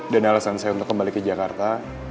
dan alasan saya untuk kembali ke jakarta